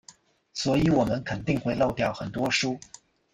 所以我们肯定会漏掉很多书。